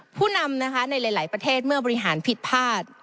ผู้นำนะคะในหลายประเทศเมื่อบริหารผิดพลาด